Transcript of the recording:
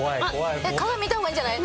鏡見た方がいいんじゃない？